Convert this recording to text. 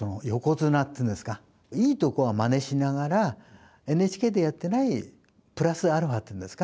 いいとこはマネしながらＮＨＫでやってないプラスアルファっていうんですか。